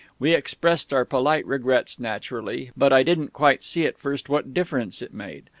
We expressed our polite regrets, naturally; but I didn't quite see at first what difference it made.